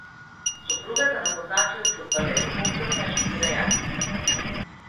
Сопругата на познатиот фудбалер повторно ја шокира јавноста